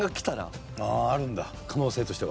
可能性としては。